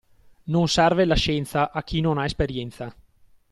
Non serve la scienza a chi non ha esperienza.